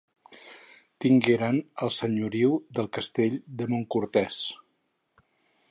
Tingueren el senyoriu del castell de Montcortès.